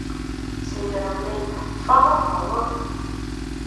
Señora Meira, ¡faga o favor!